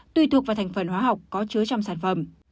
tùy thuộc vào thành phần hóa học có chứa trong sản phẩm